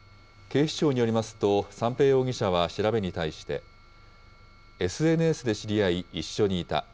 警視庁によりますと、三瓶容疑者は調べに対して、ＳＮＳで知り合い一緒にいた。